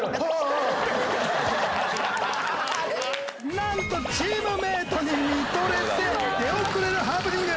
なんとチームメートに見とれて出遅れるハプニング。